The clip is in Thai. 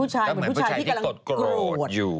เหมือนผู้ชายที่กำลังโกรธอยู่